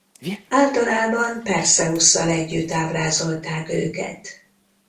Általában Perszeusszal együtt ábrázolták őket.